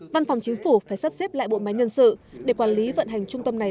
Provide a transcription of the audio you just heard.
văn phòng chính phủ phải sắp xếp lại bộ máy nhân sự để quản lý vận hành trung tâm này